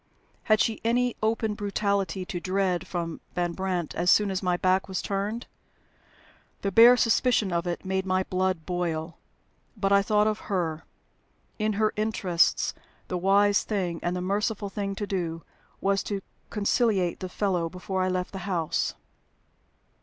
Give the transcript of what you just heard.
Had she any open brutality to dread from Van Brandt as soon as my back was turned? The bare suspicion of it made my blood boil. But I thought of her. In her interests, the wise thing and the merciful thing to do was to conciliate the fellow before I left the house.